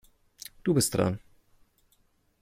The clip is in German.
Du bist dran.